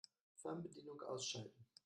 Fernbedienung ausschalten.